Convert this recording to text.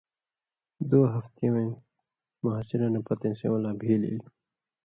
دُو ہفتی وَیں مُحاصرہ نہ پاتیۡ سېوں لا بھیل ایلیۡ،